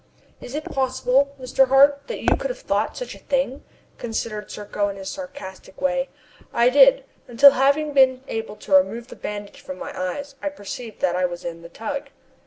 "Is it possible, Mr. Hart, that you could have thought such a thing!" continued Serko in his sarcastic way. "I did, until having been able to remove the bandage from my eyes, I perceived that I was in the tug."